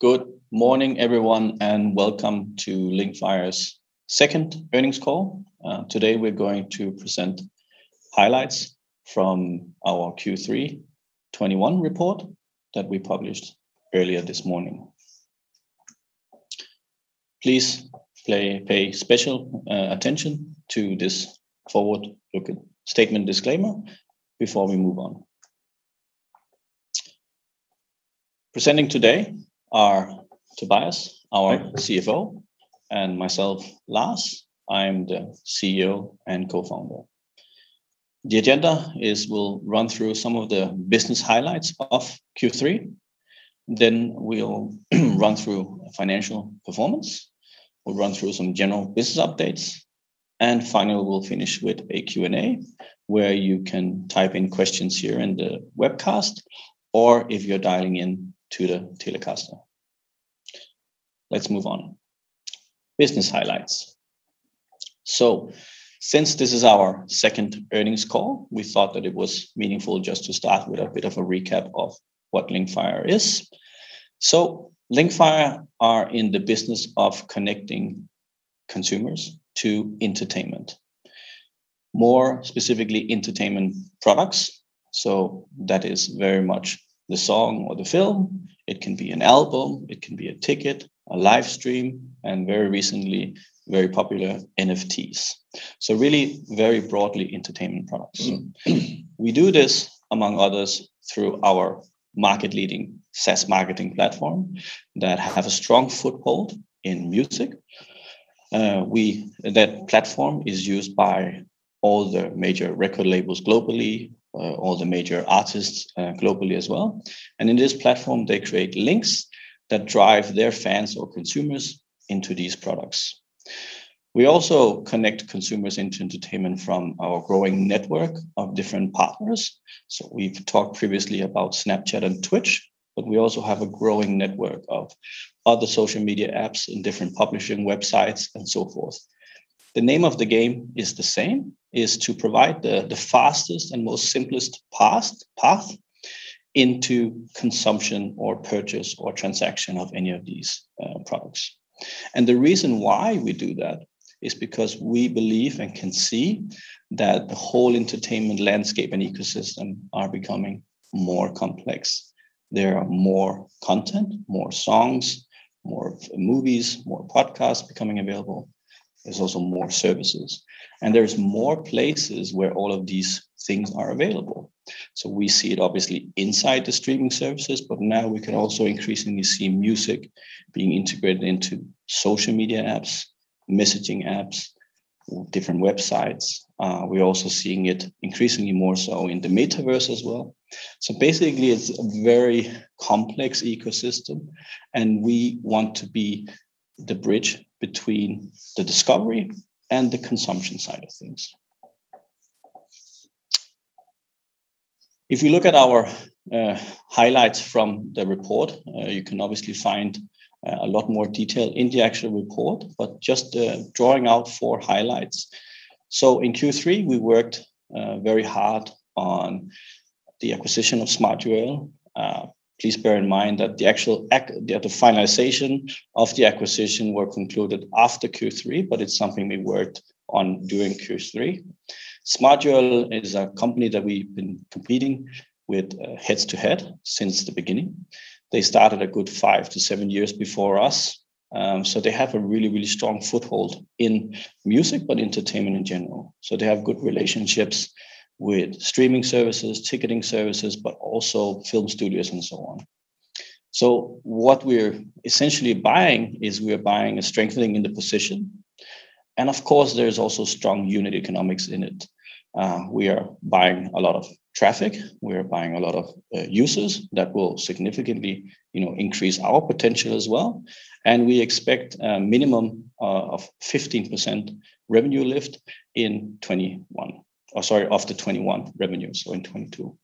Good morning everyone, and welcome to Linkfire's Second Earnings Call. Today we're going to present highlights from our Q3 2021 report that we published earlier this morning. Please pay special attention to this forward-looking statement disclaimer before we move on. Presenting today are Tobias, our CFO, and myself, Lars. I am the CEO and Co-founder. The agenda is we'll run through some of the business highlights of Q3, then we'll run through financial performance. We'll run through some general business updates, and finally, we'll finish with a Q&A where you can type in questions here in the webcast or if you're dialing in to the teleconference. Let's move on. Business highlights. Since this is our second earnings call, we thought that it was meaningful just to start with a bit of a recap of what Linkfire is. Linkfire are in the business of connecting consumers to entertainment. More specifically, entertainment products. That is very much the song or the film. It can be an album, it can be a ticket, a live stream, and very recently, very popular, NFTs. Really very broadly, entertainment products. We do this, among others, through our market-leading SaaS marketing platform that have a strong foothold in music. That platform is used by all the major record labels globally, all the major artists, globally as well. In this platform, they create links that drive their fans or consumers into these products. We also connect consumers into entertainment from our growing network of different partners. We've talked previously about Snapchat and Twitch, but we also have a growing network of other social media apps and different publishing websites and so forth. The name of the game is to provide the fastest and most simplest path into consumption or purchase or transaction of any of these products. The reason why we do that is because we believe and can see that the whole entertainment landscape and ecosystem are becoming more complex. There are more content, more songs, more movies, more podcasts becoming available. There's also more services, and there's more places where all of these things are available. We see it obviously inside the streaming services, but now we can also increasingly see music being integrated into social media apps, messaging apps, different websites. We're also seeing it increasingly more so in the metaverse as well. Basically, it's a very complex ecosystem, and we want to be the bridge between the discovery and the consumption side of things. If you look at our highlights from the report, you can obviously find a lot more detail in the actual report, but just drawing out four highlights. In Q3, we worked very hard on the acquisition of smartURL. Please bear in mind that the finalization of the acquisition were concluded after Q3, but it's something we worked on during Q3. smartURL is a company that we've been competing with heads-to-head since the beginning. They started a good five to seven years before us, so they have a really, really strong foothold in music, but entertainment in general. They have good relationships with streaming services, ticketing services, but also film studios and so on. What we're essentially buying is we're buying a strengthening in the position. Of course, there's also strong unit economics in it. We are buying a lot of traffic. We are buying a lot of users that will significantly, you know, increase our potential as well. We expect a minimum of 15% revenue lift in 2021 of the 2021 revenue, so in 2022.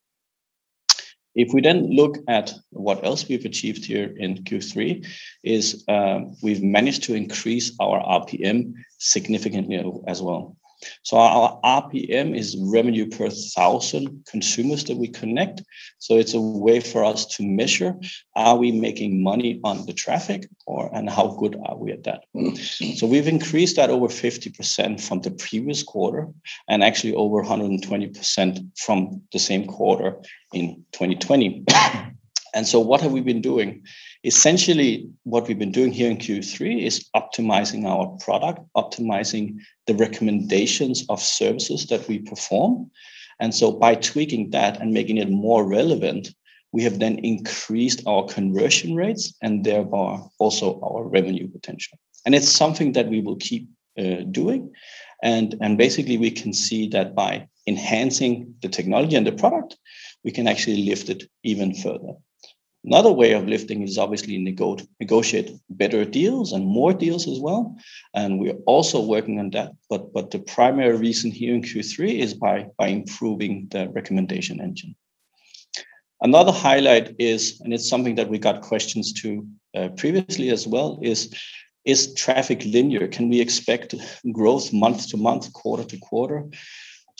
If we then look at what else we've achieved here in Q3 is we've managed to increase our RPM significantly as well. Our RPM is revenue per thousand consumers that we connect. It's a way for us to measure are we making money on the traffic or, and how good are we at that? We've increased that over 50% from the previous quarter and actually over 120% from the same quarter in 2020. What have we been doing? Essentially, what we've been doing here in Q3 is optimizing our product, optimizing the recommendations of services that we perform. By tweaking that and making it more relevant, we have then increased our conversion rates and therefore also our revenue potential. It's something that we will keep doing. Basically, we can see that by enhancing the technology and the product, we can actually lift it even further. Another way of lifting is obviously negotiate better deals and more deals as well, and we are also working on that, but the primary reason here in Q3 is by improving the recommendation engine. Another highlight is, it's something that we got questions too previously as well, is traffic linear? Can we expect growth month-to-month, quarter-to-quarter?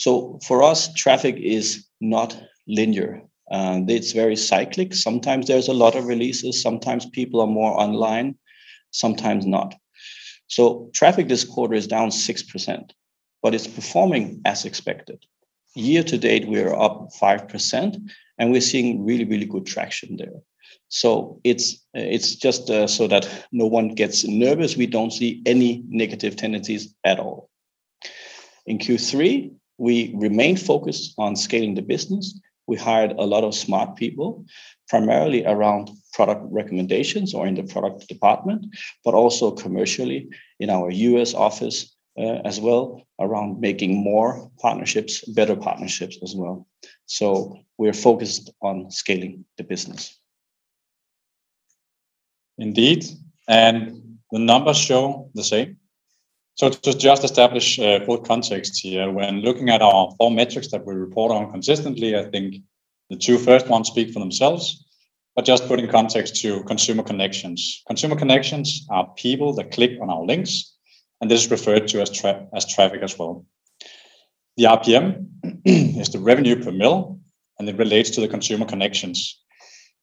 For us, traffic is not linear. It's very cyclic. Sometimes there's a lot of releases, sometimes people are more online, sometimes not. Traffic this quarter is down 6%, but it's performing as expected. Year-to-date, we are up 5%, and we're seeing really, really good traction there. It's just so that no one gets nervous, we don't see any negative tendencies at all. In Q3, we remained focused on scaling the business. We hired a lot of smart people, primarily around product recommendations or in the product department, but also commercially in our U.S. office, as well, around making more partnerships, better partnerships as well. We're focused on scaling the business. Indeed, the numbers show the same. To just establish both context here, when looking at our four metrics that we report on consistently, I think the two first ones speak for themselves. Just putting context to consumer connections. Consumer connections are people that click on our links, and this is referred to as traffic as well. The RPM is the revenue per mille, and it relates to the consumer connections.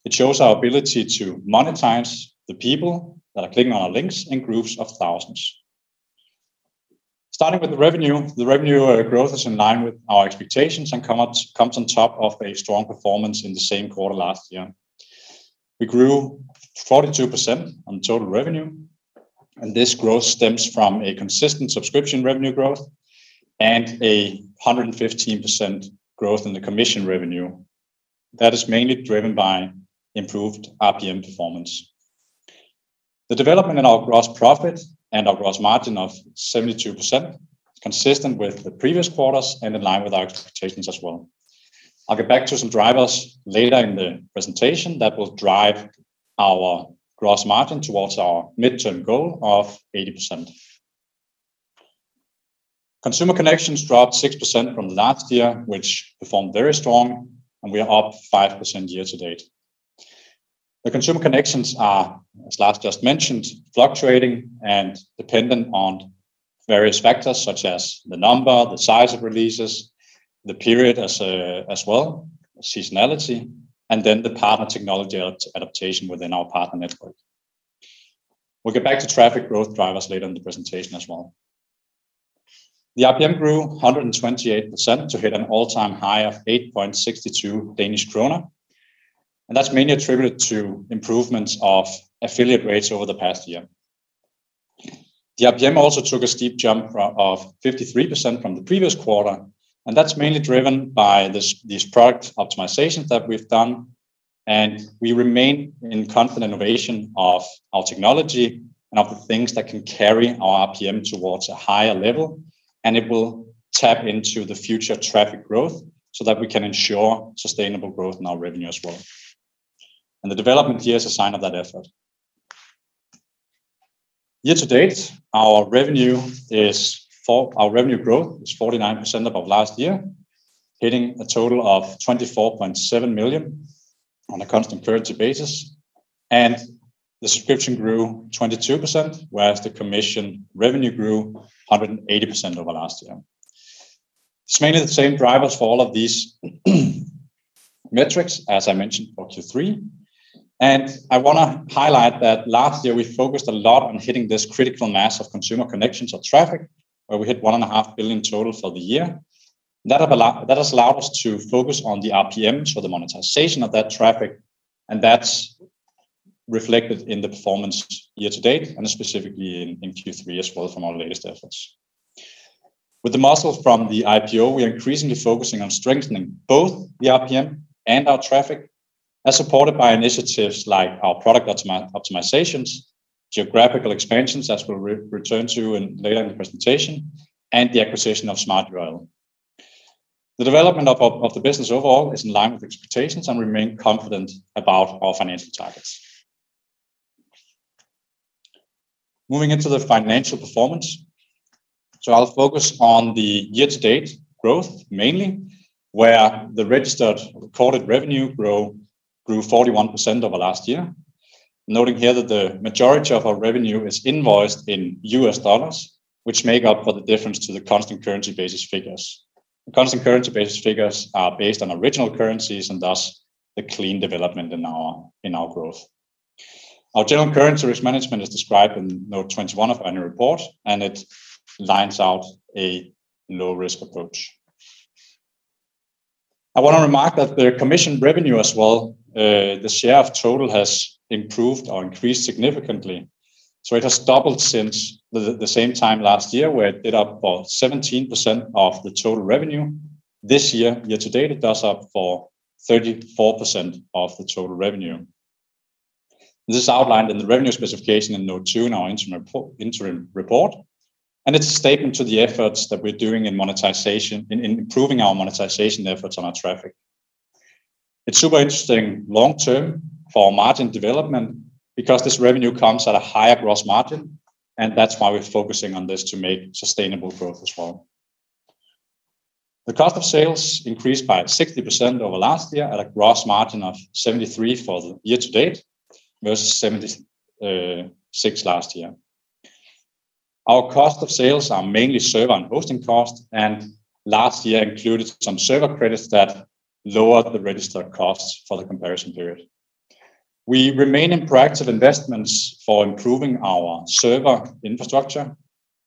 It shows our ability to monetize the people that are clicking on our links in groups of thousands. Starting with the revenue, the revenue growth is in line with our expectations and comes on top of a strong performance in the same quarter last year. We grew 42% on total revenue, and this growth stems from a consistent subscription revenue growth and a 115% growth in the commission revenue. That is mainly driven by improved RPM performance. The development in our gross profit and our gross margin of 72% is consistent with the previous quarters and in line with our expectations as well. I'll get back to some drivers later in the presentation that will drive our gross margin towards our midterm goal of 80%. Consumer connections dropped 6% from last year, which performed very strong, and we are up 5% year-to-date. The consumer connections are, as Lars just mentioned, fluctuating and dependent on various factors such as the number, the size of releases, the period as well, seasonality, and then the partner technology adaptation within our partner network. We'll get back to traffic growth drivers later in the presentation as well. The RPM grew 128% to hit an all-time high of 8.62 Danish kroner, and that's mainly attributed to improvements of affiliate rates over the past year. The RPM also took a steep jump of 53% from the previous quarter, and that's mainly driven by this, these product optimizations that we've done, and we remain in constant innovation of our technology and of the things that can carry our RPM towards a higher level. It will tap into the future traffic growth so that we can ensure sustainable growth in our revenue as well. The development here is a sign of that effort. Year-to-date, our revenue growth is 49% above last year, hitting a total of 24.7 million on a constant currency basis, and the subscription grew 22%, whereas the commission revenue grew 180% over last year. It's mainly the same drivers for all of these metrics, as I mentioned for Q3. I wanna highlight that last year we focused a lot on hitting this critical mass of consumer connections or traffic, where we hit 1.5 billion total for the year. That has allowed us to focus on the RPM, so the monetization of that traffic, and that's reflected in the performance year-to-date and specifically in Q3 as well from our latest efforts. With the muscle from the IPO, we are increasingly focusing on strengthening both the RPM and our traffic, as supported by initiatives like our product optimizations, geographical expansions, as we'll return to later in the presentation, and the acquisition of smartURL. The development of the business overall is in line with expectations, and we remain confident about our financial targets. Moving into the financial performance. I'll focus on the year-to-date growth mainly, where the registered recorded revenue grew 41% over last year. Noting here that the majority of our revenue is invoiced in US dollars, which make up for the difference to the constant currency basis figures. The constant currency basis figures are based on original currencies and thus the clean development in our growth. Our general currency risk management is described in Note 21 of our annual report, and it lays out a low-risk approach. I want to remark that the commission revenue as well, the share of total has improved or increased significantly. It has doubled since the same time last year, where it made up for 17% of the total revenue. This year-to-date, it makes up for 34% of the total revenue. This is outlined in the revenue specification in Note 2 in our interim report, and it's a testament to the efforts that we're doing in monetization, in improving our monetization efforts on our traffic. It's super interesting long term for our margin development because this revenue comes at a higher gross margin, and that's why we're focusing on this to make sustainable growth as well. The cost of sales increased by 60% over last year at a gross margin of 73% for the year-to-date versus 76% last year. Our cost of sales are mainly server and hosting costs, and last year included some server credits that lowered the registered costs for the comparison period. We remain in proactive investments for improving our server infrastructure.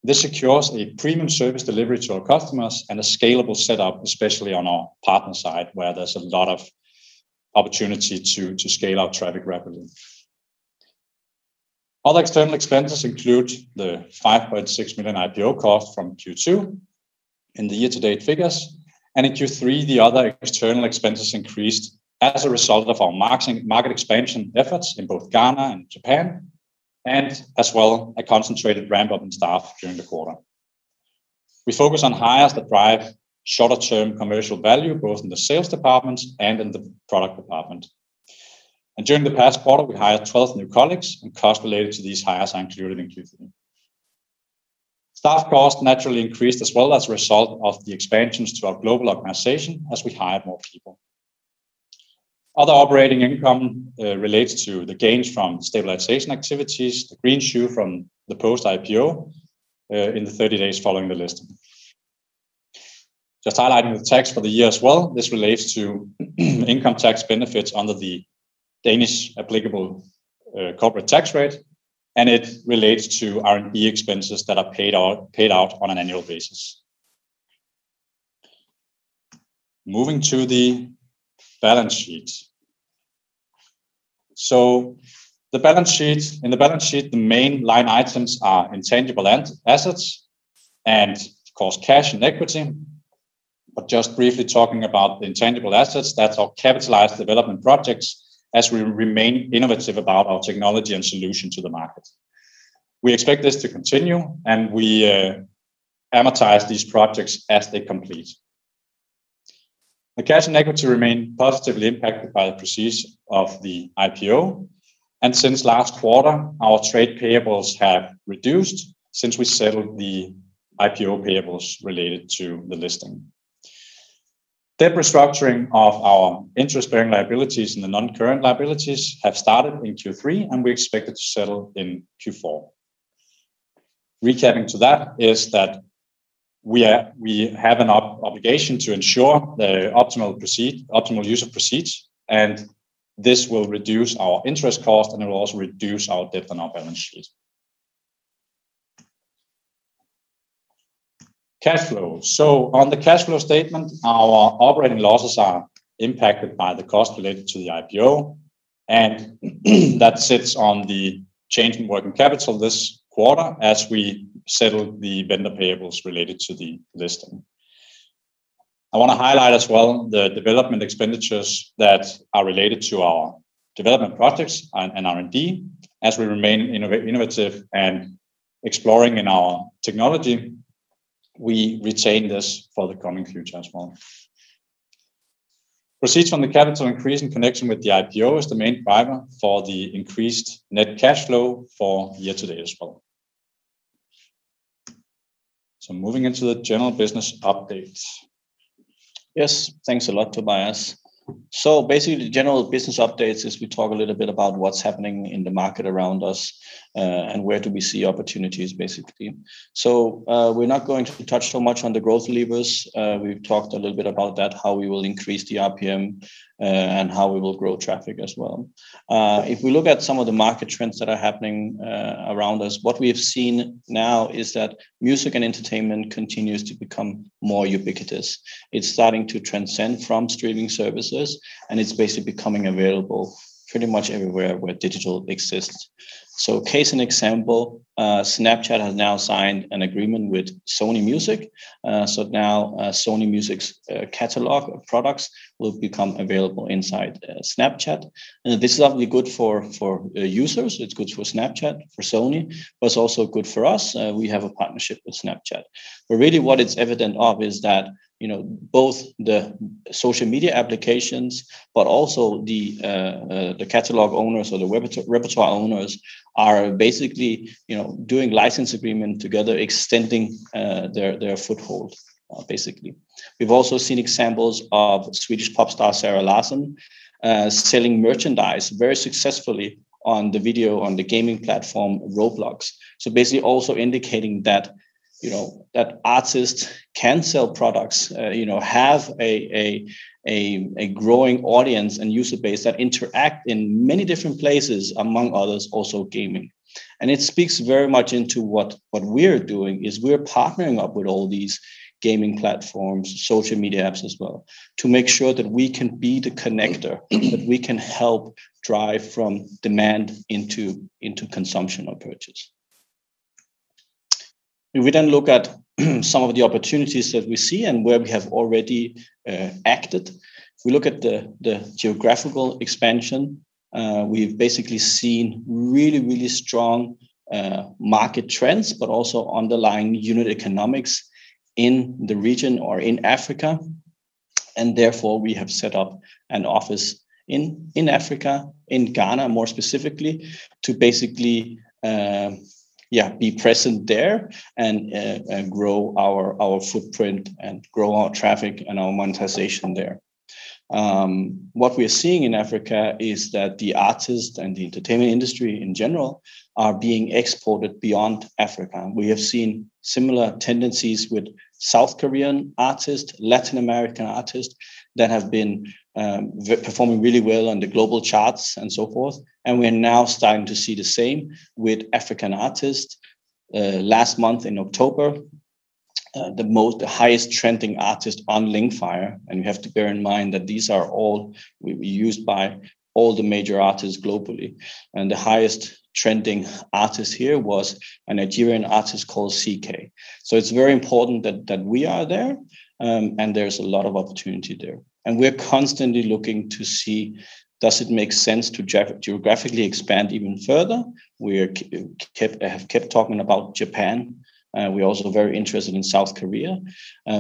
This secures a premium service delivery to our customers and a scalable setup, especially on our partner side, where there's a lot of opportunity to scale out traffic rapidly. Other external expenses include the 5.6 million IPO cost from Q2 in the year-to-date figures. In Q3, the other external expenses increased as a result of our markets in-market expansion efforts in both Ghana and Japan, and as well, a concentrated ramp-up in staff during the quarter. We focus on hires that drive shorter-term commercial value, both in the sales departments and in the product department. During the past quarter, we hired 12 new colleagues, and costs related to these hires are included in Q3. Staff costs naturally increased as well as a result of the expansions to our global organization as we hire more people. Other operating income relates to the gains from stabilization activities, the greenshoe from the post-IPO in the 30 days following the listing. Just highlighting the tax for the year as well, this relates to income tax benefits under the Danish applicable corporate tax rate, and it relates to R&D expenses that are paid out on an annual basis. Moving to the balance sheet. The balance sheet. In the balance sheet, the main line items are intangible assets and of course, cash and equity. Just briefly talking about the intangible assets, that's our capitalized development projects as we remain innovative about our technology and solution to the market. We expect this to continue, and we amortize these projects as they complete. The cash and equity remain positively impacted by the proceeds of the IPO, and since last quarter, our trade payables have reduced since we settled the IPO payables related to the listing. Debt restructuring of our interest-bearing liabilities and the non-current liabilities have started in Q3, and we expect it to settle in Q4. Recapping to that is that we have an obligation to ensure the optimal use of proceeds, and this will reduce our interest cost, and it will also reduce our debt on our balance sheet. Cash flow. On the cash flow statement, our operating losses are impacted by the cost related to the IPO, and that sits on the change in working capital this quarter as we settle the vendor payables related to the listing. I wanna highlight as well the development expenditures that are related to our development projects and R&D. As we remain innovative and exploring in our technology, we retain this for the coming future as well. Proceeds from the capital increase in connection with the IPO is the main driver for the increased net cash flow for year-to-date as well. Moving into the general business update. Yes, thanks a lot, Tobias. Basically, the general business updates is we talk a little bit about what's happening in the market around us, and where do we see opportunities, basically. We're not going to touch so much on the growth levers. We've talked a little bit about that, how we will increase the RPM, and how we will grow traffic as well. If we look at some of the market trends that are happening, around us, what we have seen now is that music and entertainment continues to become more ubiquitous. It's starting to transcend from streaming services, and it's basically becoming available pretty much everywhere where digital exists. Case in example, Snapchat has now signed an agreement with Sony Music. Sony Music's catalog of products will become available inside Snapchat. This is obviously good for users, it's good for Snapchat, for Sony, but it's also good for us. We have a partnership with Snapchat. Really what it's evident of is that, you know, both the social media applications, but also the catalog owners or the repertoire owners are basically, you know, doing license agreement together, extending their foothold, basically. We've also seen examples of Swedish pop star Zara Larsson selling merchandise very successfully on the gaming platform Roblox. Basically also indicating that, you know, that artists can sell products, you know, have a growing audience and user base that interact in many different places, among others, also gaming. It speaks very much into what we're doing, is we're partnering up with all these gaming platforms, social media apps as well, to make sure that we can be the connector, that we can help drive from demand into consumption or purchase. If we then look at some of the opportunities that we see and where we have already acted. If we look at the geographical expansion, we've basically seen really strong market trends, but also underlying unit economics in the region or in Africa. Therefore, we have set up an office in Africa, in Ghana more specifically, to basically, yeah, be present there and grow our footprint and grow our traffic and our monetization there. What we are seeing in Africa is that the artists and the entertainment industry in general are being exported beyond Africa. We have seen similar tendencies with South Korean artists, Latin American artists that have been performing really well on the global charts and so forth. We are now starting to see the same with African artists. Last month in October, the highest trending artist on Linkfire, and you have to bear in mind that these are all used by all the major artists globally, and the highest trending artist here was a Nigerian artist called CKay. It's very important that we are there, and there's a lot of opportunity there. We are constantly looking to see does it make sense to geographically expand even further. We have kept talking about Japan. We're also very interested in South Korea.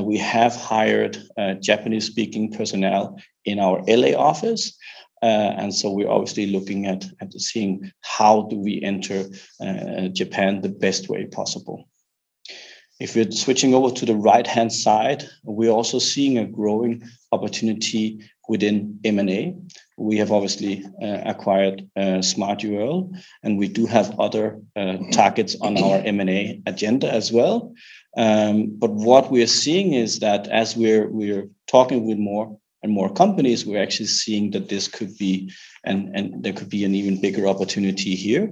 We have hired Japanese-speaking personnel in our L.A. office. We're obviously looking at seeing how do we enter Japan the best way possible. If we are switching over to the right-hand side, we are also seeing a growing opportunity within M&A. We have obviously acquired smartURL, and we do have other targets on our M&A agenda as well. What we are seeing is that as we are talking with more and more companies, we're actually seeing that this could be an even bigger opportunity here,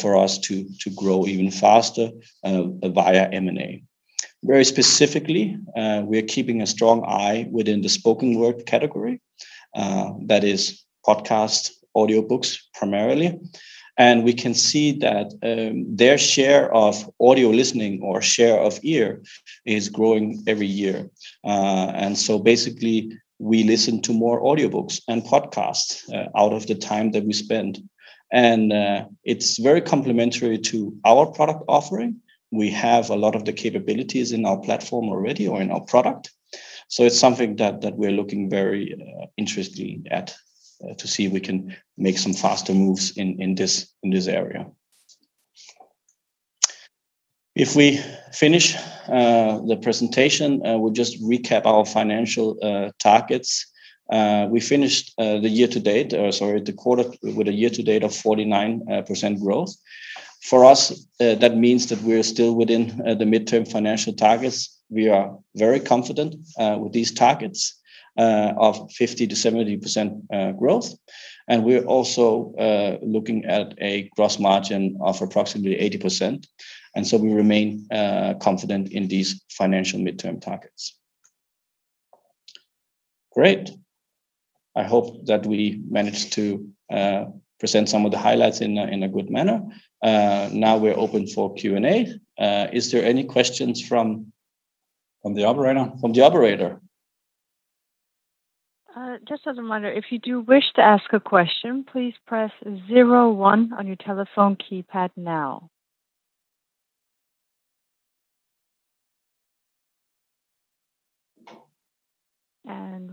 for us to grow even faster, via M&A. Very specifically, we are keeping a strong eye within the spoken word category, that is podcasts, audiobooks primarily. We can see that their share of audio listening or share of ear is growing every year. Basically we listen to more audiobooks and podcasts out of the time that we spend. It's very complementary to our product offering. We have a lot of the capabilities in our platform already or in our product. It's something that we are looking very interested in to see if we can make some faster moves in this area. If we finish the presentation, we'll just recap our financial targets. We finished the year-to-date, or sorry, the quarter with a year-to-date of 49% growth. For us, that means that we are still within the midterm financial targets. We are very confident with these targets of 50%-70% growth. We are also looking at a gross margin of approximately 80%. We remain confident in these financial midterm targets. Great. I hope that we managed to present some of the highlights in a good manner. Now we're open for Q&A. Is there any questions from From the Operator. From the Operator. Just as a reminder, if you do wish to ask a question, please press zero one on your telephone keypad now.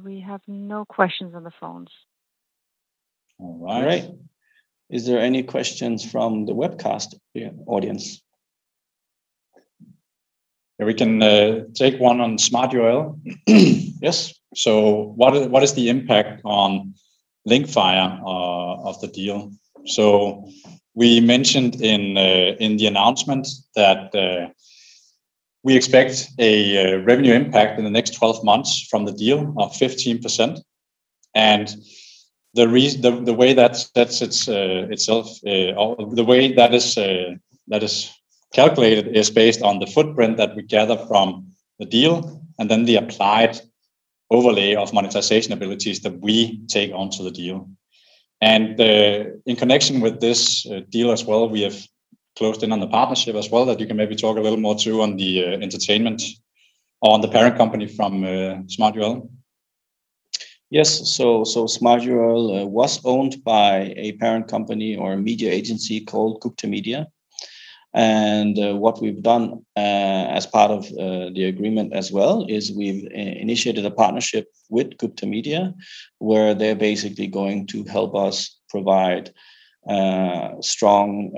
We have no questions on the phones. All right. Is there any questions from the webcast audience? We can take one on smartURL. Yes. What is the impact on Linkfire of the deal? We mentioned in the announcement that we expect a revenue impact in the next 12 months from the deal of 15%. The way that sets itself or the way that is calculated is based on the footprint that we gather from the deal, and then the applied overlay of monetization abilities that we take onto the deal. In connection with this deal as well, we have closed in on the partnership as well, that you can maybe talk a little more to on the entertainment on the parent company from smartURL. Yes. smartURL was owned by a parent company or a media agency called Gupta Media. What we've done as part of the agreement as well is we've initiated a partnership with Gupta Media, where they're basically going to help us provide strong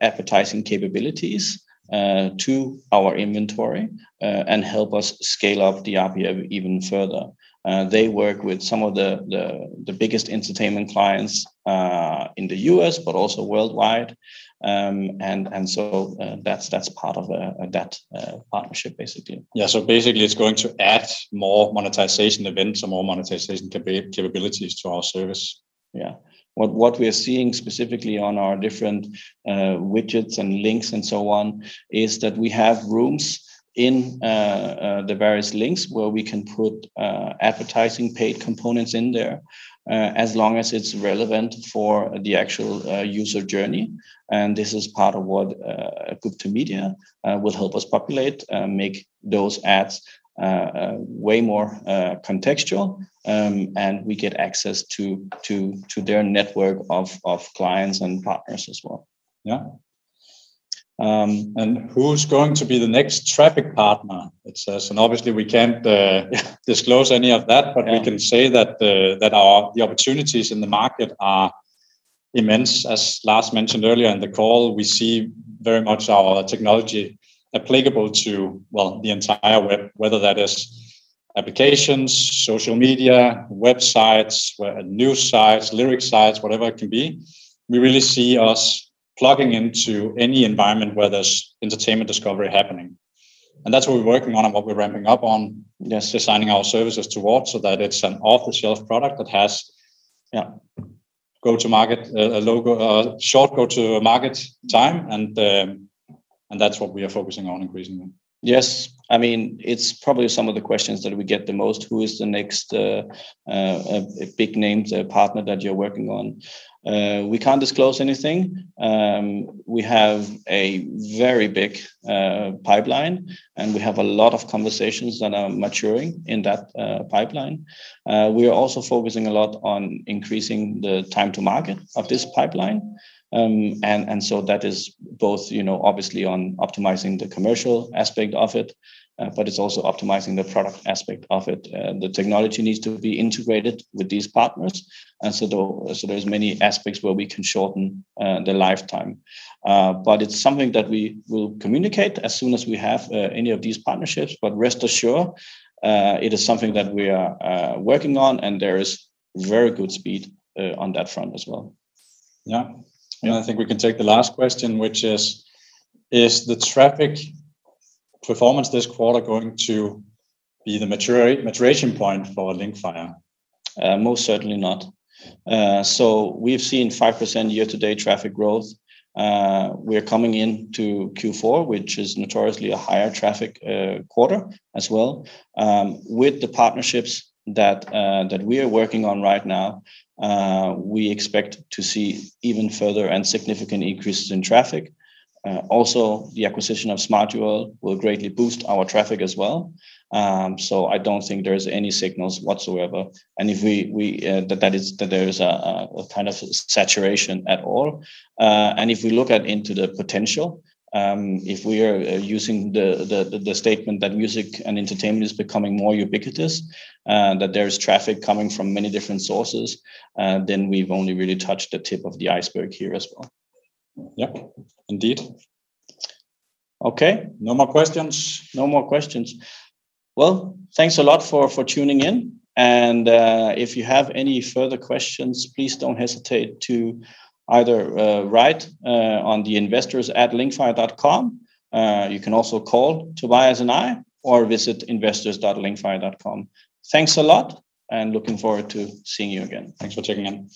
advertising capabilities to our inventory and help us scale up the RPM even further. They work with some of the biggest entertainment clients in the U.S., but also worldwide. That's part of that partnership basically. Yeah. Basically it's going to add more monetization events or more monetization capabilities to our service. Yeah. What we are seeing specifically on our different widgets and links and so on is that we have rooms in the various links where we can put advertising paid components in there as long as it's relevant for the actual user journey. This is part of what Gupta Media will help us populate make those ads way more contextual. We get access to their network of clients and partners as well. Yeah, who's going to be the next traffic partner? It says, obviously we can't disclose any of that. Yeah. We can say that the opportunities in the market are immense. As Lars mentioned earlier in the call, we see very much our technology applicable to, well, the entire web, whether that is applications, social media, websites, news sites, lyric sites, whatever it can be. We really see us plugging into any environment where there's entertainment discovery happening. That's what we're working on and what we're ramping up on. Yes, designing our services towards so that it's an off-the-shelf product that has, you know, go-to-market, a low go-to-market time, and that's what we are focusing on increasingly. Yes. I mean, it's probably some of the questions that we get the most. Who is the next big name partner that you're working on? We can't disclose anything. We have a very big pipeline, and we have a lot of conversations that are maturing in that pipeline. We are also focusing a lot on increasing the time to market of this pipeline. That is both, you know, obviously on optimizing the commercial aspect of it, but it's also optimizing the product aspect of it. The technology needs to be integrated with these partners. There's many aspects where we can shorten the lifetime. It's something that we will communicate as soon as we have any of these partnerships. Rest assured, it is something that we are working on and there is very good speed on that front as well. Yeah. Yeah. I think we can take the last question, which is the traffic performance this quarter going to be the maturation point for Linkfire? Most certainly not. We've seen 5% year-to-date traffic growth. We're coming into Q4, which is notoriously a higher traffic quarter as well. With the partnerships that we are working on right now, we expect to see even further and significant increases in traffic. Also, the acquisition of smartURL will greatly boost our traffic as well. I don't think there's any signs whatsoever that there is a kind of saturation at all. If we look into the potential, if we are using the statement that music and entertainment is becoming more ubiquitous, that there's traffic coming from many different sources, then we've only really touched the tip of the iceberg here as well. Yep. Indeed. Okay. No more questions? No more questions. Well, thanks a lot for tuning in, and if you have any further questions, please don't hesitate to either write on the investors@linkfire.com. You can also call Tobias and I or visit investors.linkfire.com. Thanks a lot. Looking forward to seeing you again. Thanks for checking in.